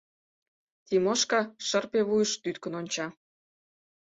Тимошка шырпе вуйыш тӱткын онча.